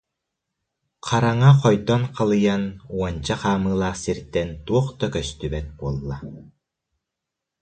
Хараҥа хойдон халыйан, уонча хаамыылаах сиртэн туох да көстүбэт буолла